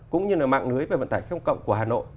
cũng như là mạng lưới về vận tải công cộng của hà nội